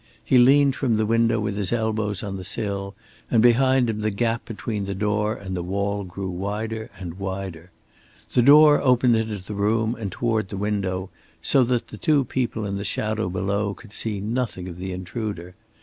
He leaned from the window with his elbows on the sill, and behind him the gap between the door and the wall grew wider and wider. The door opened into the room and toward the window, so that the two people in the shadow below could see nothing of the intruder.